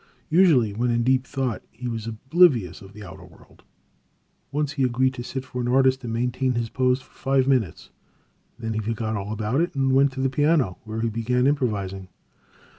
Usually when in deep thought he was oblivious of the outer world. He once agreed to sit for an artist, and maintained his pose for five minutes; then he forgot all about it and went to the piano, where he began improvising.